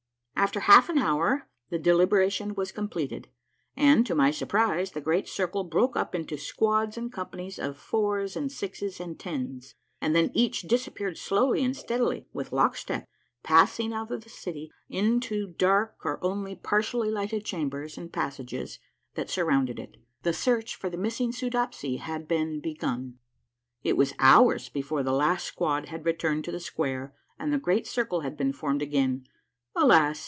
After half an hour tlie deliberation was completed, and, to my surprise, the Great Circle broke up into squads and companies of foul's and sixes and tens, and then each disappeared slowly and steadily with lock step, passing out of the City into the THE GIGANTIC TOKTOISt THAT DEVOCREH POCTIXG LIP A MARVELLOUS UNDERGROUND JOURNEY 133 dark or only partially lighted chambers and passages that sur rounded it. The search for the missing Soodopsy had been begun. It was hours before the last squad had returned to the square and the Great Circle had been formed again. Alas